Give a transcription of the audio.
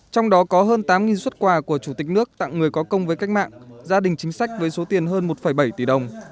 trong đó có hơn tám xuất quà của chủ tịch nước tặng người có công với cách mạng gia đình chính sách với số tiền hơn một bảy tỷ đồng